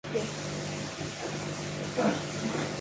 зайл зайл ямар тэнэг юм бэ?